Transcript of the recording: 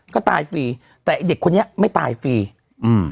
ก็ตายฟรีแต่ไอ้เด็กคนนี้ไม่ตายฟรีอืม